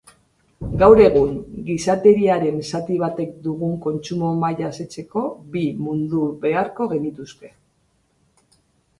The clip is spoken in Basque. Gaur egun gizateriaren zati batek dugun kontsumo maila asetzeko bi mundu beharko genituzke.